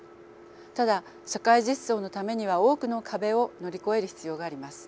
ただ社会実装のためには多くの壁を乗り越える必要があります。